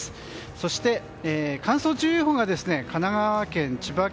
そして、乾燥注意報が神奈川県、千葉県